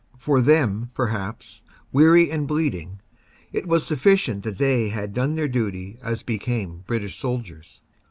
For them, per haps, weary and bleeding, it was sufficient that they had done their duty as became British soldiers.